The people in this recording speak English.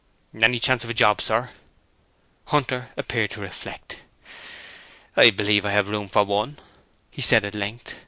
'Any chance of a job, sir?' Hunter appeared to reflect. 'I believe I have room for one,' he said at length.